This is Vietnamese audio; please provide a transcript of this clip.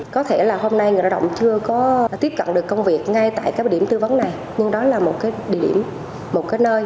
có thể là hôm nay người lao động chưa có tiếp cận được công việc ngay tại các điểm tư vấn này nhưng đó là một cái điểm một cái nơi